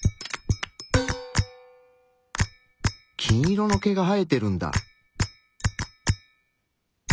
金色の毛が生えてるんだ！